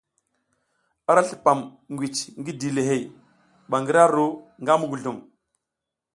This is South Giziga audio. Ara slupam ngwici ngi dilihey ba ngi ru nga muguzlum.